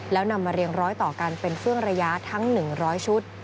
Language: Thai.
แล้วนำมาเรียงร้อยต่อกันเป็นเฟื่องระยะทั้ง๑๐๐ชุด